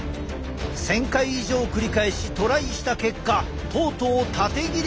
１，０００回以上繰り返しトライした結果とうとう縦切りに成功した！